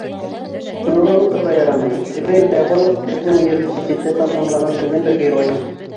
Шуны ла оноторға ярамай: Зөбәй Үтәғолов — беҙҙең университетты тамамлаған берҙән-бер герой.